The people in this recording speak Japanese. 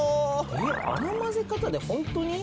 あの混ぜ方でホントに⁉